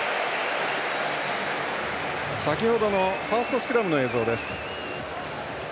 先程のファーストスクラムの映像です。